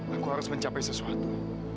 aku harus mencapai sesuatu